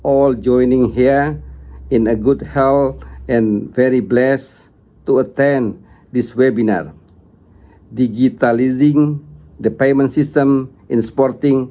oleh itu kami berharap semua impor sistem uang digitalisasi akan bergabung